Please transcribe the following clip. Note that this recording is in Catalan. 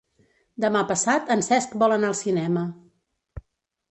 Demà passat en Cesc vol anar al cinema.